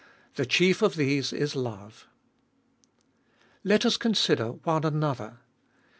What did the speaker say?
The chief of these is love. Let us consider one another.